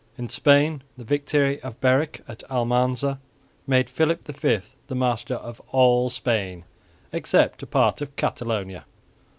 In Spain the victory of Berwick at Almanza (April 27) made Philip V the master of all Spain, except a part of Catalonia.